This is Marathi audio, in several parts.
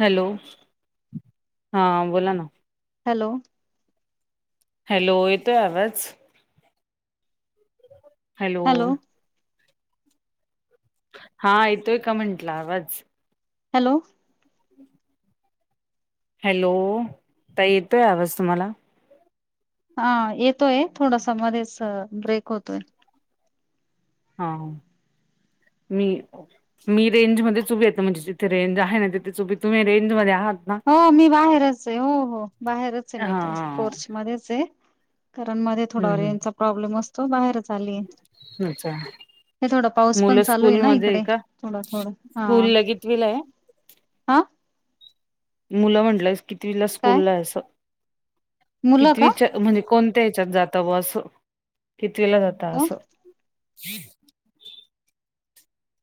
हॅलो, हा बोला ना. हॅलो. हॅलो येतोय आवाज. हॅलो हा येतोय का म्हंटला आवाज. हॅलो. हॅलो, ताई येतोय आवाज तुम्हाला. येतोय थोडासा ब्रेक होतोय. हा, मी मी रेंजमध्ये च उभी येत म्हणजे जिथे रेंज आहे ना तिे च उुभी तुम्ही रेंजमध्ये आहात. ना हो मी बाहेरच आहे, हो हो बाहेरच आहे मी हा तर [unintelligible] मध्येच आहे कारण मध्ये थोडा हम्म रेंजचा प्रॉब्लेम असतो बाहेरच आली. अच्छा हे थोडा पाऊस पण मुलं चालू आहे ना स्कूलमध्ये इकडे का थोडं थोडं हा स्कूलला कितवीला आहे आ मुलं म्हंटलं कितीला काय स्कूलला आहे असं मुलं का कितविच्या म्हणजे कोणत्या हच्यात जाता व असं कितवीला जाता हो असं [inaudible]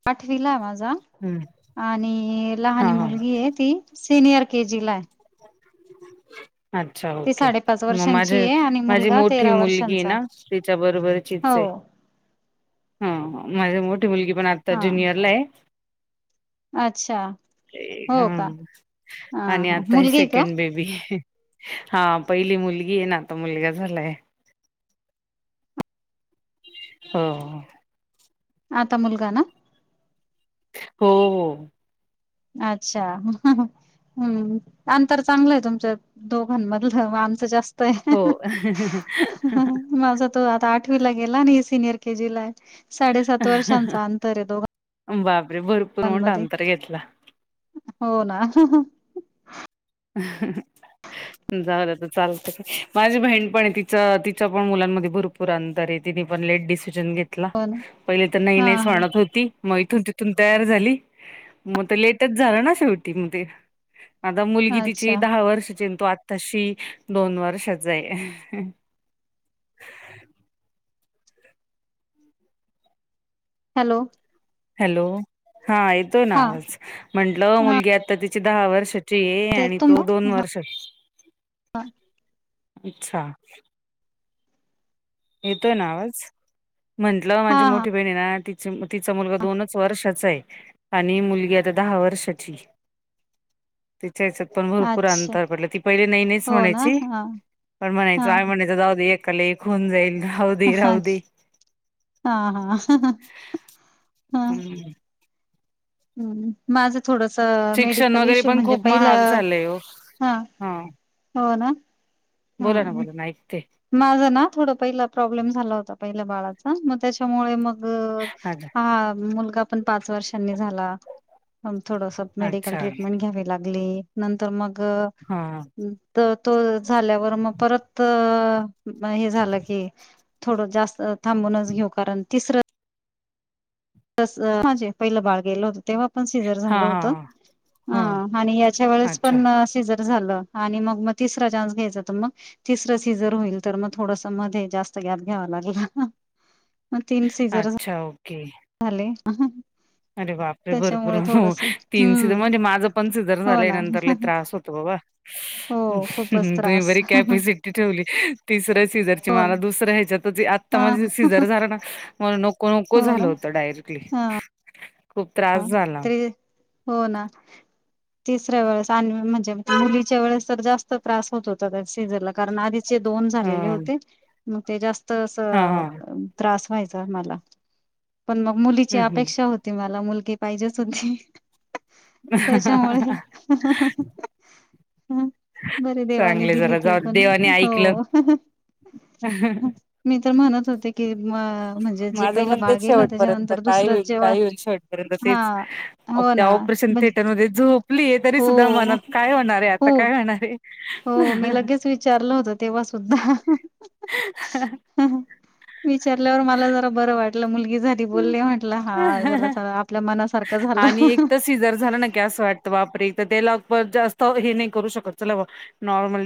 आठवीला आहे माझा हम्म आणि लहान हा हा मुलगी आहे ती सीनियर के जी ला आहे. अच्छा ती ओके साडेपाच मग माझ वर्षांची आहे आणि माझी मुलगा मोठी तेरा मुलगी वर्षांचा ना तिच्या बरोबर हो [unintelligible] माझी मोठी मुलगी पण आता हा ज्युनियरला आहे. अच्छा हो का हा हा आणि हा आता ही मुलगी का सेकंड बेबी हा पहिली मुलगी आहे नाता मुलगा झालाय. हो आता मुलगा ना. हो हो - अच्छा. हम्म, अंतर चांगलं आहे तुमच्या दोघांमधलं व आमचं जास्त- हो. - माझ- तो आता आठवीला गेला आणि ही सिनिअर के जी ला आहे साडे- सात वर्षांचा अंतर आहे दोघं- बापरे भरपूर मोठा अंतर घेतला. हो ना. ह [inaudible] जाऊदे आता चालत काय, माझी बहीण पण आहे तिच तिच्या पण मुलांमध्ये भरपूर- अंतर आहे, तिने पण लेट डिसिजन घेतला. ना पहिले तर नाही हा नाहीच म्हणत होती. मग इथून तिथून तयार झाली मग ते लेटच झालं ना शेवटी मग ते आता- हा मुलगी तिची अच्छा दहा वर्षांची आहे आणि तो आत्ताशी दोन वर्षांचा आहे. हॅलो हॅलो हा येतोय ना हा आवाज, म्हंटलं हा मुलगी आता तिची दहा वर्ष- ची ये ते आणि तुम तो दोन वर्ष- हा इच्छा.... येतोय ना आवाज? म्हंटलं माझी हा मोठी बहीण आहे ना ती - तिच मुलग दोनच वर्षाच आहे आणि मुलगी आता दहा वर्षाची- तिच्या याच्यात पण भरपूर अच्छा अंतर पडलं, ती पहिले नाही नाहीच हो ना म्हणायची हा पण म्हणायचो हा आम्ही म्हणा - जाऊदे एकाला एक होऊन जाईल. राहू हा दे हा राहू दे. हा हा हम्म. हम माझं थोडस शिक्षण मेडिकल वगैरे इशू पण म्हणजे खूप पहिल महाग झालंय ओ हा - हम एकते. माझं ना थोडं पहिला प्रॉब्लेम झाला होता पहिल्या बाळाचा मग त्याच्यामुळे मग- अच्छा हा मुलगा पण पाच वर्षांनी झाला, मग थोडस- मेडिकल अच्छा ट्रीटमेंट घ्यावी लागली, नंतर मग- हा तर तो झाल्यावर मग परत हे झालं की- थोडं जास्त थांबूनच घेऊ कारण तिसरं- [unintelligible] पहिलं बाळ गेल होत तेव्हा- पण सिजर हा झालं होत, हा हा आणि याच्या वेळेस अच्छा पण सिजर झालं. आणि मग म तिसरा घ्यायचा होता मग- तिसरं सीजर होईल तर मग थोडस मध्ये जास्त गॅप घ्यावा लागला. मग तीन सिजर - अच्छा ओके... झाले. अरे बापरे भरपूर त्याच्यामुळे हो थोडस तीन सिजर हम्म म्हणजे माझं पण सिजर हो झालंय ना नंतर लई त्रास होतो बाबा. हो खूपच तुम्ही त्रास बरी कॅपॅसि- टी ठेवली तिसऱ्या सिजर ची हो ना मला दुसऱ्या ह्याच्यात आता हा माझं सिजर झाल ना, मला नको - नको नको हो ना झालं होतं डायरेक्टली. खूप हा त्रास झाला ते हो ना. तिसऱ्या वेळेस आनवी म्हणजे मुलीच्या वेळेस तर जास्त त्रास होत होता त्या सीझरला कारण आधीच - दोन झालेले हं. होते मग ते जास्त अस- हां हां. त्रास व्हायचा मला पण म मुलीची हं हं. अपेक्षा होती मला. मुलगी - लगी पाहिजेच होती त्याच्यामुळे- हम् बर देवानी चांगले दिली जरा ती जाऊ दे पण, देवाने ऐकलं. हो. मी तर म्हणत होते की म- म्हणजे जे माझं पहिलं पण बाळ तेच गेलं शेवटपर्यंत त्याच्यानंतर काय दुसरं होईल, जेव्हा काय होईल शेवट- पर्यंत हा तेच हो त्या ना ऑपरेशन म्हणजे थिएटर मध्ये झोप - आहे तरी सुद्धा हो मनात काय होणार आहे आता काय खूप होणार आहे. हो मी लगेच विचारलं होत तेव्हा सुद्धा. विचारल्यावर मला जरा बरं वाटलं मुलगी झाली. बोलले म्हटलं हा आपल्या मनासारखं झालं आणि एक तस सिजर झाल ना कि अस वाटत, बापरे तेला आपण जास्त हे नाही शकत चाल बाबा, नॉर्मल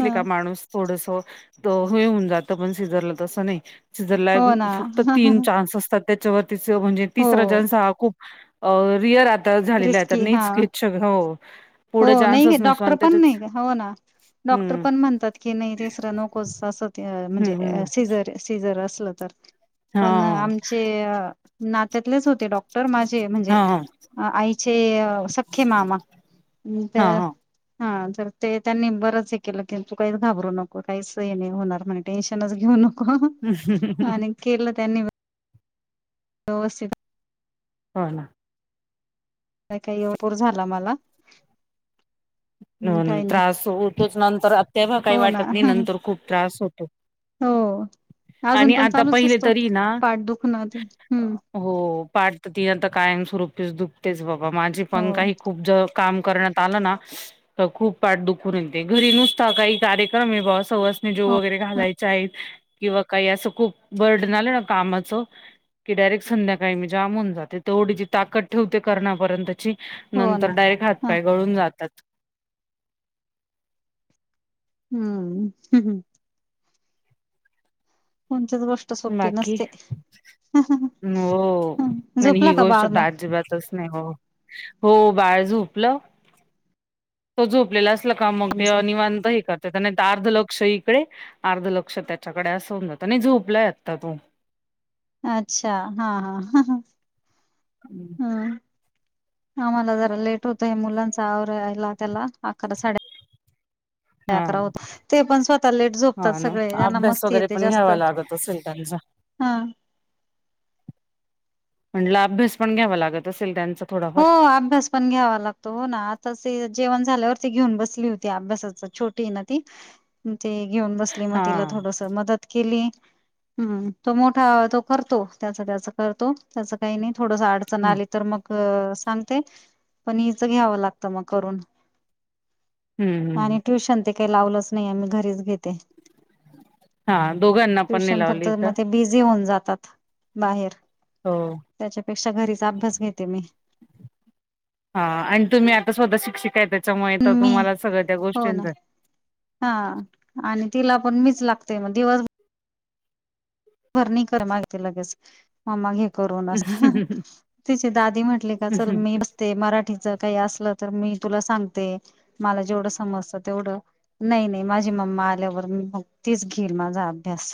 हा का माणूस थोड हे होऊन जात पण सिजर ला तसं नाही. सिजर ला हो ना फक्त तीन चान्स असतात त्याच्याती म्हणजे हो तिसरा चान्स हा खूप अं रिअर आता झालेलाय तर रिस्की हा नईच [unintelligible] हो. हो पुढे नई क चान्सच नसतो डॉक्टर आणि पण त्याच्याच नई का हो ना. डॉक्टर हम्म पण म्हणतात की नई तिसरं नकोच असं ते म्हणजे हम्म अ हम्म. सीझर सिझर असलं तर. पण हां. आमचे नात्यातलेच होते डॉक्टर माझे म्हणजे हां, हां, आ आईचे सख्खे मामा अम् त [unintelligible] अन् तर ते त्यांनी बरंच हे केलं की तू काईच घाबरू नको काईच हे नी होणार म्हणे टेन्शनच घेऊ नको. अं हं आणि केलं त्यांनी व्यवस्थित हो ना. काई काई योपूर झाला मला. अं काही नाही त्रास होतोच नंतर आत् तेव्हा काई हो ना वाटत नी नंतर खूप त्रास होतो. हो अजून आणि पण आता चालूच पहिले असतो तरी ना पाठ दुखनं ते हम. पाठ त ती आता कायम स्वरूपीच दुखतेच बाबा माझी हो पण काई खूप ज काम करण्यात आलंना तर खूप पाठ दुूखुन येते घरी नुस्ता काही कार्य तर मी ब्वा सवासनी जीवु हो वगैरे घालायच्याय किंवा काई असं खूप बर्डन आलं ना कामाचं की डायरेक्ट संध्याकाळी मी जाम होऊन जाते तेवढी जी ताद ठेवते करणापर्यंतची हो ना नंतर डायरेक्ट हा हातपाय गळून जातात. हम्म हं हुं. कोणतीच गोष्ट् बाकी हो अन ही झोपला का गोष्ट बाळ त मग अजिबातच नाई हो, हो बाळ झोपलं तो झोपलेला अस् -ला क मंग ते तुमचं निवांत हे कर् त्या त नाई त अर्ध लक्ष इकडे लक्ष त्याच्याकडे अस हुन जातं, नई झोपलाय आत्ता तो. अच्छा हा हा. हम्म. हम् आम्हाला जरा लेट होतंय मुलांचा आवरायला त्याला अकरा साड्या हा करा होत ते पण स्वतः लेट झोपतात हा ना सगळे त्यांना अभ्यास मस्ती वगैरे येते पण जास्त. घ्यावा लागत असेल त्यांचा हा. म्हटलं अभ्यास पण घ्यावा लागत असेल त्यांच. हो अभ्यास पण घ्यावा लागतो हो ना आता ते जेवण झाल्यावरती घेऊन बसली होती अभ्यासाच छोटी ना ती. ते घेऊन बसली म हा तिला थोडस मदत केली. हम्म तो मोठा ह तो करतो त्याचं त्याचं करतो त्याचं काई नी थोडस अडचण हम्म आली तर मग अ सांगते पण हिचं घ्यावं लागतं मंग करून. हम्म आणि ट्युशन ते काई लावलंच नई आम्ही घरीच घेते. हा दोघांना पण नाही ट्युशन फक्त लावली म का ते बिझी होऊन जातात. बाहेर हो त्याच्यापेक्षा घरीच अभ्यास घेते मी. हा आणि तुम्ही आता स्वतः शिक्षिकाय त्याच्यामुळे त मी तुम्हाला सगळं त्या गोष्टींच हां आणि तिला पण मीच लागते मग दिवस भरणी कर मागते लगेच मा्मा घे करून अस तिची दादी म्हटली का चल मी ते मराठीच काई असलं तर मी तुला सांगते मला जेवढं समजतं तेवढं नाही नाही माझी मम्मा आल्यावर मी मग तेच घेईल माझा अभ्यास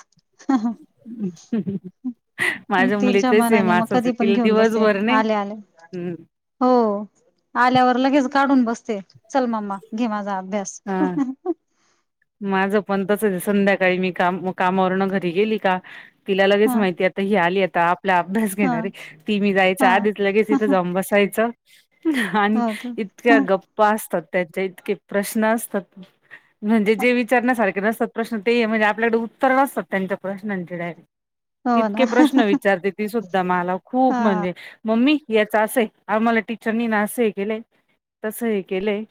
ह हम ह ह मग माझ्या तिच्या मुलीच सेम मनाने मग असच आहे कधी पण तिला घेऊन बसे दिवसभर नाही आले आले हम् आल्यावर लगेच काढून बसते चल मम्मा घे माझा अभ्यास हम माझं पण तरच आहे संध्याकाळी मी काम कामावरनं घरी गेली का तिला लगेच हा माहिती आहे आता ही आली आता आप आपला अभ्यास हा घेणार रे ती मी जायच्या हा आधीच लगेच तिथं जाऊन बसायच आणि हो का इतक्या गप्पा असतात त्याच्या इतके प्रश्न असतात ना म्हणजे जे विचारण्यासारखे नसतात प्रश्न ते आहे म्हणजे आपल्याकडे उत्तर नसतात त्यांच्या प्रश्नांचे डायरेक्ट हो ना इतके प्रश्न विचारते ती सुद्धा माला खूप हा म्हणजे मम्मी याच असंय आम्हाला टीचरनी ना असं हे केलंय तसं हे केलंय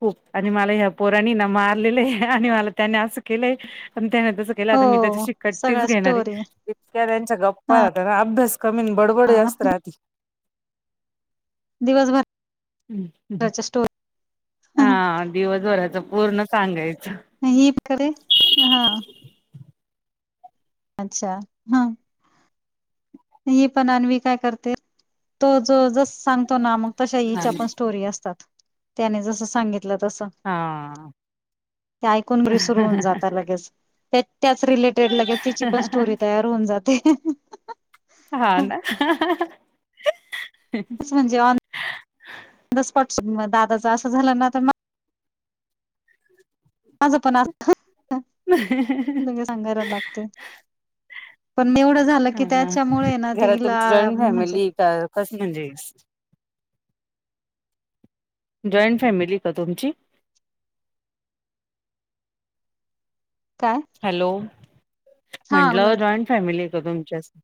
खूप आणि मला ह्या पोरानी ना मारलेलंय आणि मला त्याने असं केलंय आणि त्याने तसं केला हो तर मी त्याच्याशी कट्टीच सगळ्या घेणार आहे स्टोरी इतक्या त्यांच्या गप्पा हा राहतात ना अभ्यास कमी न बडबड हा जास्त राहती दिवसभर त्याच्याशी हा दिवसभराच पूर्ण सांगायचं मी इकडे हा अच्छा हा ही पण अन्वी काय करते तो जो जसं सांगतो ना मग तशा हिच्या पण स्टोरी असतात त्याने जस सांगितलं तसं हा ते ऐकून विसरून जातं लगेच ते त्याच रिलेटेड लगेच तिची पण स्टोरी तयार होऊन जाते हा ना म्हणजे आण निस्पक्श मग दादच असं झालं ना तर मग माझं पण असं ह ह ह ह लगेच सांगायला लागते पण एवढं झालं की हा त्याच्यामुळे ना तिला म्हणजे कसली रेस्ट जॉईंट फॅमिली का तुमची काय हॅलो हा बोला म्हंटलं जॉईंट फॅमिली आहे का तुमची असं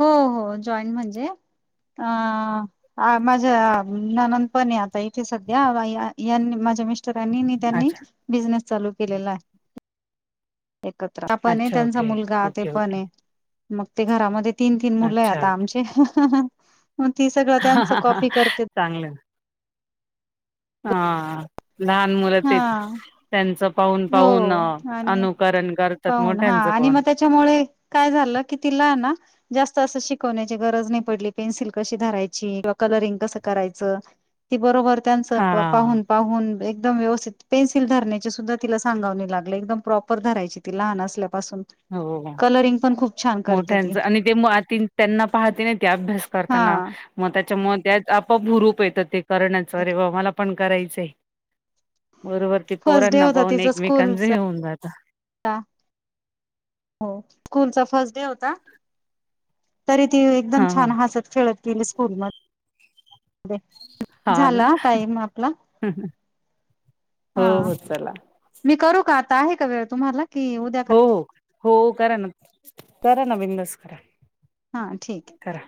हो हो जॉईंट म्हणजे अ अ माझ्या नानंदपण आहे आता इथे सध्या व या यांनी माझ्या मिस् टरांनी नी त्यांनी अच्छा बिझनेस चालू केलेला आहे एकत्र हा पण आहे अच्छा त्यांचा ओके मुलगा ते ओके पण ओके आहे मग ते घरामध्ये तीन तीन मुलं आहे अच्छा आता आमचे ह ह ह मग ती सगळं आता आमचं कॉपी करतेत चांगलंय हा लहान मुलं हा तेच त्यांचं पाहून पाहून हो आणि अनुकरण करतात मोठ्यांचं पण त्यामुळे काय तिला की तिला ना जास्त असं शिकवण्याची गरज नाही पडली पेन्सिल कशी धरायची किंवा कलरिंग कसं करायचं ती बरोबर त्यांच हा पाहून पाहून व्यवस्थित पेन्सिल धरण्याचे सुद्धा तिला सांगाव नाही लागलं एकदम प्रॉपर धरायची ती लहान असल्यापासून हो बोला? कलरिंग पण खूप छान करते ती मोठ्यांच आणि ते म आ ती त्यांना पाहते ना ती आभ्यास हा करतांना. मग त्याच्यामूळ त्यात आप-आप हुरूप येतं ते करण्याचं अरे बां म पण करायचंय. बरोबर ते फर्स्ट पोरांना पाहून एकमेकांच हे होऊन जातं. अं हो. स्कूलचा फर्स्ट डे होता. तरी ती एकदम हा हा छान हसत-खेळत गेली स्कूल मध्ये. हा ना झाला हं टाईम आपला. [unintelligible] हं, हो चला मी करू का आता आहे का वेळ तुम्हाला? की उद्या ओ कर हो करा ना, करा ना, करा बिनधास्त करा. हां ठीक हे. करा.